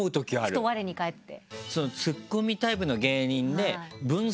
ふとわれに返って？